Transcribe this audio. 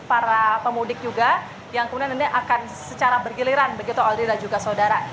para pemudik juga yang kemudian nanti akan secara bergiliran begitu aldi dan juga saudara